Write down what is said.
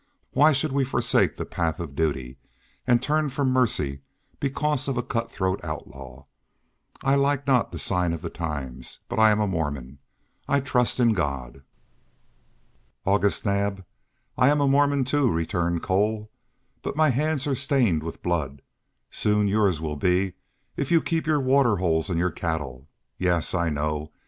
Why should we forsake the path of duty, and turn from mercy because of a cut throat outlaw? I like not the sign of the times, but I am a Mormon; I trust in God." "August Naab, I am a Mormon too," returned Cole, "but my hands are stained with blood. Soon yours will be if you keep your water holes and your cattle. Yes, I know.